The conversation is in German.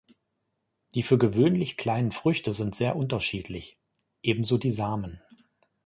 Die für gewöhnlich kleinen Früchte sind sehr unterschiedlich, ebenso die Samen.